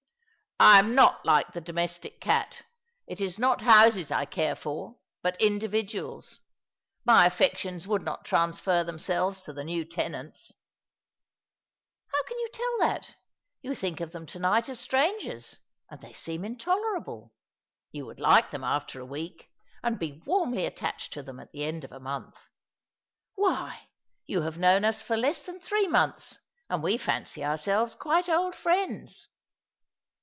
" I am not like the domestic cat. It is not houses I care for, but individuals. My affections would not transfer them selves to the new tenants." " How can you tell that ? You think of them to night as strangers — and they seem intolerable. You would like them after a week, and be warmly attached to them at the end of a month. Why, you have known us for less than three months, and we fancy ourselves quite old friends."